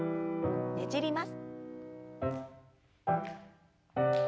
ねじります。